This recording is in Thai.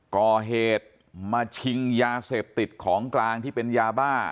ก่อเหตุมาชิงยาเสพติดของกลางที่เป็นยาบ้า